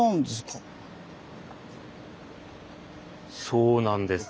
そうなんです。